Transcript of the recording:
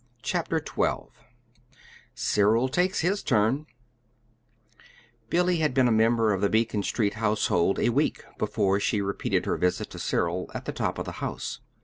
CHAPTER XII CYRIL TAKES HIS TURN Billy had been a member of the Beacon Street household a week before she repeated her visit to Cyril at the top of the house.